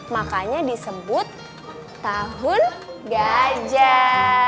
makanya disebut tahun gajah